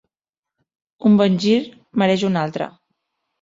Un bon gir mereix un altre.